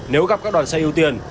nếu gặp các đoàn xe ưu tiên